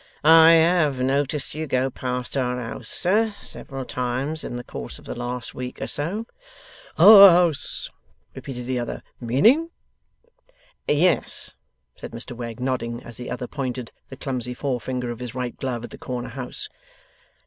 'I have noticed you go past our house, sir, several times in the course of the last week or so.' 'Our house,' repeated the other. 'Meaning ?' 'Yes,' said Mr Wegg, nodding, as the other pointed the clumsy forefinger of his right glove at the corner house.